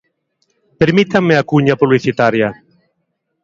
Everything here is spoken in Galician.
Permítanme a cuña publicitaria.